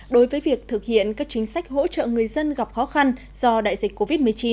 đối với việc thực hiện các chính sách hỗ trợ người dân gặp khó khăn do đại dịch covid một mươi chín